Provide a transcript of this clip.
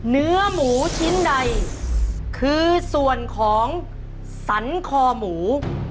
เนื้อหมูชิ้นใดคือส่วนของสรรคอหมู